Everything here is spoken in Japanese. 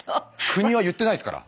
国は言ってないですから。